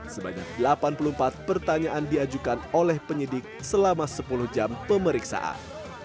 sebanyak delapan puluh empat pertanyaan diajukan oleh penyidik selama sepuluh jam pemeriksaan